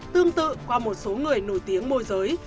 tương tự qua một số người nổi tiếng môi giới